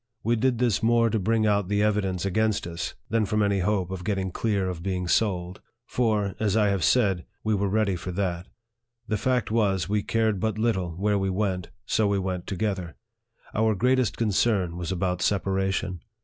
We did this more to bring out the evidence against us, than from any hope of get ting clear of being sold ; for, as I have said, we were ready for that. The fact was, we cared but little where we went, so we went together. Our greatest concern was about separation.